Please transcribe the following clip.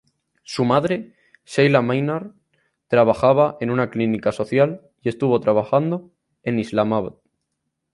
Su madre, Sheila Maynard, trabajaba en una clínica social y estuvo trabajando en Islamabad.